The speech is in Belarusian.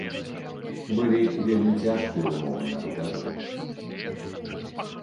Былі вельмі цяжкія ўмовы на рубяжы.